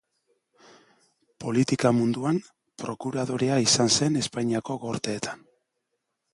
Politika munduan prokuradorea izan zen Espainiako Gorteetan.